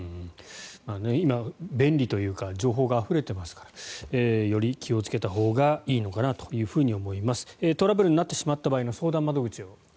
今、便利というか情報があふれていますからより気をつけたほうがいいのかなと思いますがトラブルになってしまった場合の相談窓口を。